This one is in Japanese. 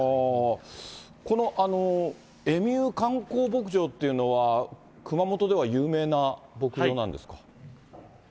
このエミュー観光牧場というのは、熊本では有名な牧場なんですか？